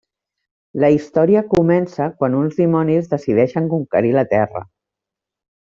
La història comença quan uns dimonis decideixen conquerir la Terra.